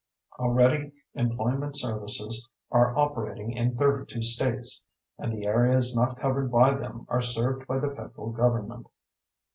Already employment services are operating in thirty two states, and the areas not covered by them are served by the federal government.